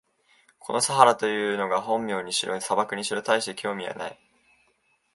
このサハラというのが本名にしろ、砂漠にしろ、たいして興味はない。